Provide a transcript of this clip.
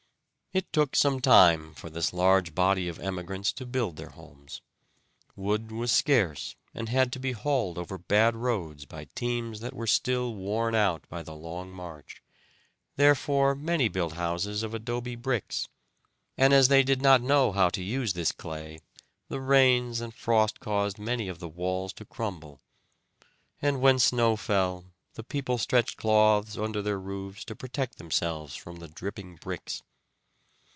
It took some time for this large body of emigrants to build their homes. Wood was scarce and had to be hauled over bad roads by teams that were still worn out by the long march, therefore many built houses of adobe bricks, and as they did not know how to use this clay the rains and frost caused many of the walls to crumble, and when snow fell the people stretched cloths under their roofs to protect themselves from the dripping bricks.